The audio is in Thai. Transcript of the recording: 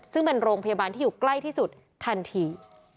ซึ่งเป็นโรงพยาบาลที่อยู่ใกล้ที่สุดทันที